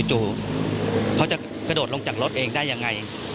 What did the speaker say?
เขาจะกระโดดลงจากรถเองได้ยังไง